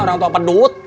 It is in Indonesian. orang tua pedut